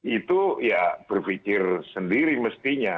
itu ya berpikir sendiri mestinya